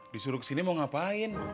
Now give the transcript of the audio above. disuruh kesini mau ngapain